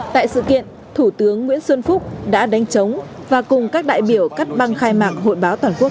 tại sự kiện thủ tướng nguyễn xuân phúc đã đánh chống và cùng các đại biểu cắt băng khai mạng hội báo toàn quốc hai nghìn một mươi chín